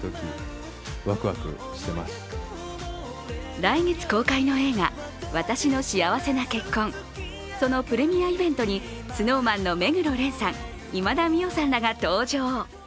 来月公開の映画「わたしの幸せな結婚」、そのプレミアイベントにＳｎｏｗＭａｎの目黒蓮さん、今田美桜さんらが登場。